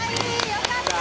よかった！